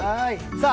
さあ